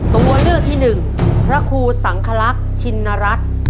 ตัวเลือกที่หนึ่งพระครูสังคลักษณ์ชินรัฐ